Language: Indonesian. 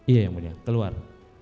iya yang mulia keluar